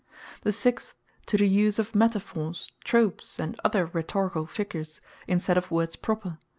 The sixth, to the use of Metaphors, Tropes, and other Rhetoricall figures, in stead of words proper.